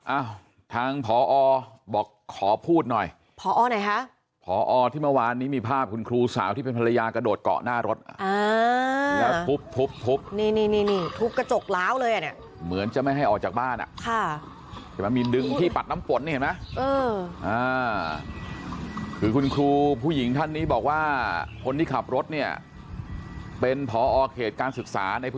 อ้าวทางพอบอกขอพูดหน่อยพอไหนฮะพอที่เมื่อวานนี้มีภาพคุณครูสาวที่เป็นภรรยากระโดดเกาะหน้ารถอ่าแล้วทุบทุบทุบนี่นี่นี่นี่ทุบกระจกล้าวเลยอ่ะเนี่ยเหมือนจะไม่ให้ออกจากบ้านอ่ะค่ะมีดึงที่ปัดน้ำฝนนี่เห็นไ